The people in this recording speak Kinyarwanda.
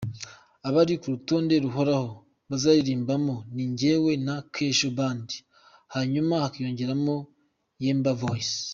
Abari ku rutonde ruhoraho bazaririmbamo ni njyewe na Kesho Band hanyuma hakiyongeraho Yemba Voice.